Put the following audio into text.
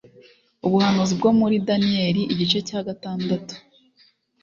Ubuhanuzi bwo muri Daniyeli igice cya gatandatu